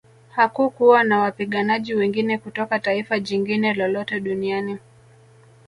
Hakukuwa na wapiganaji wengine kutoka taifa jingine lolote duniani